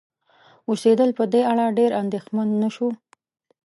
اوسیدل په دې اړه ډېر اندیښمن نشو